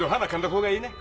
ほうがいいね。